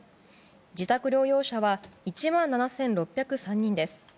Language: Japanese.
自宅療養者は１万７６０３人です。